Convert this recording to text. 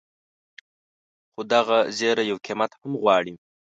خو دغه زیری یو قیمت هم غواړي.